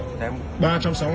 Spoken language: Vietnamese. ba trăm sáu mươi năm tu hiệu